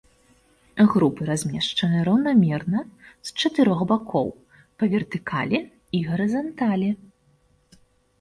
Групы размешчаны раўнамерна з чатырох бакоў па вертыкалі і гарызанталі.